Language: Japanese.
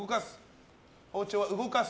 包丁を動かす。